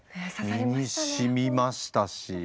身にしみましたし。